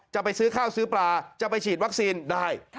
จะไปซื้อข้าวซื้อปลาจะไปฉีดวัคซีนได้